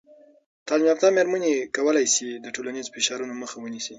تعلیم یافته میرمنې کولی سي د ټولنیز فشارونو مخه ونیسي.